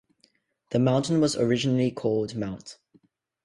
The mountain was originally called Mt.